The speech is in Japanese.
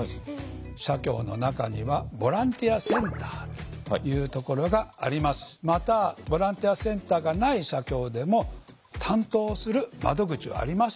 社協の中にはボランティアセンターっていうところがありますしまたボランティアセンターがない社協でも担当する窓口はありますので。